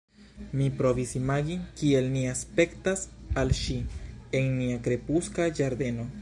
Mi provis imagi, kiel ni aspektas al ŝi, en nia krepuska ĝardeno.